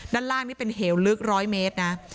ด้านล่างนี่เป็นเหวลึก๑๐๐เมตรนะ